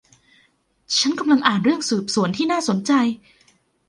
ฉันกำลังอ่านเรื่องสืบสวนที่น่าสนใจ